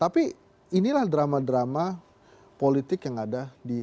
tapi inilah drama drama politik yang ada di